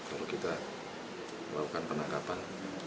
lalu kita melakukan penangkapan